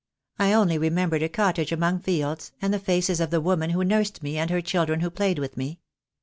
I only remembered a cottage among fields, and the faces of the woman who nursed me and her children who played with me.